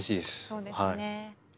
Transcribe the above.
そうですね。